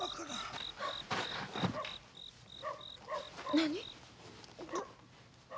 何？